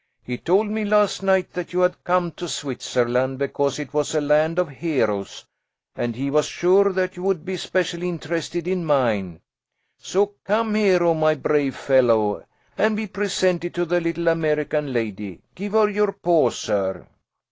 He told me last night that you had come to Switzerland because it was a land of heroes, and he was sure that you would be especially interested in mine. So come, Hero, my brave fellow, and be presented to the little American lady. Give her your paw, sir!"